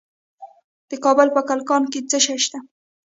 د کابل په کلکان کې څه شی شته؟